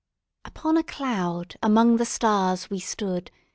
Upon a cloud among the stars we stood.